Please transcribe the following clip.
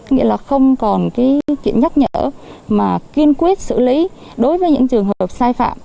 nghĩa là không còn cái chuyện nhắc nhở mà kiên quyết xử lý đối với những trường hợp sai phạm